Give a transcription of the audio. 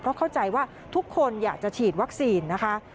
เพราะเข้าใจว่าทุกคนอยากจะฉีดวัคซีนนะคะ